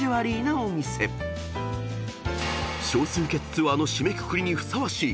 ［少数決ツアーの締めくくりにふさわしい］